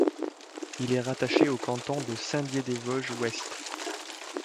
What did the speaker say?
Il est rattaché au Canton de Saint-Dié-des-Vosges-Ouest.